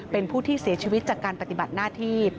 เป็นผู้ที่เสียชีวิตจากการปฏิบัติหน้าที่